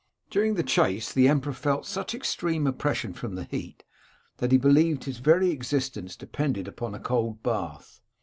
During the chase the emperor felt such extreme oppression from the heat, that he believed his very existence depended upon a cold bath.